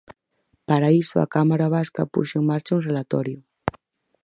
Para iso a Cámara vasca puxo en marcha un relatorio.